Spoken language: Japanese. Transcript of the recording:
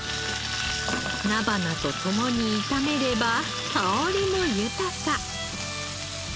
菜花と共に炒めれば香りも豊か。